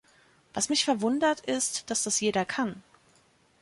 Was mich verwundert, ist, dass das jeder kann.